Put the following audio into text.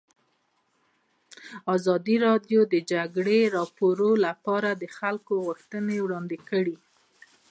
ازادي راډیو د د جګړې راپورونه لپاره د خلکو غوښتنې وړاندې کړي.